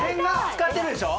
使ってるでしょ？